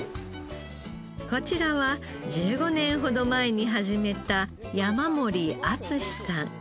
こちらは１５年ほど前に始めた山森篤さん。